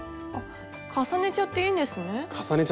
重ねちゃっていいんですね？